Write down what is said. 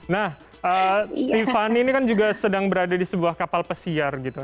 nah tiffany ini kan juga sedang berada di sebuah kapal pesiar gitu